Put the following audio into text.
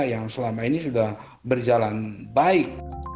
yang selama ini sudah berjalan baik